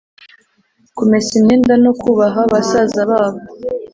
kumesa imyenda, no kubaha basaza babo.